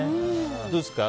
どうですか？